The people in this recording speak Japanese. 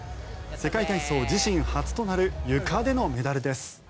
世界体操自身初となるゆかでのメダルです。